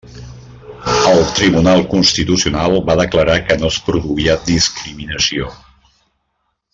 El Tribunal Constitucional va declarar que no es produïa discriminació.